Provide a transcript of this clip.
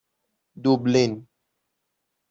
دوبلین